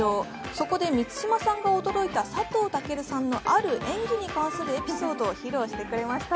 そこで満島さんが驚いた佐藤健さんのある演技に関するエピソードを披露してくれました。